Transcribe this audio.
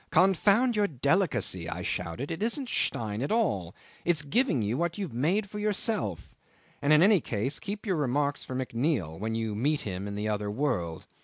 "Confound your delicacy!" I shouted. "It isn't Stein at all. It's giving you what you had made for yourself. And in any case keep your remarks for McNeil when you meet him in the other world.